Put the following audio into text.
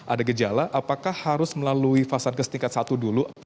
ada gejala apakah harus melalui fasankes tingkat satu dulu